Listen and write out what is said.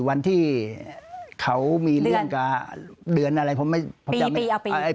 วันที่เขามีเรื่องกับเดือนอะไรผมไม่ปีปีอ่ะปี